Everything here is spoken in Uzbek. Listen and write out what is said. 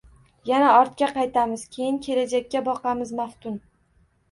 Yana ortga qaytamiz keyin, kelajakka boqamiz maftun.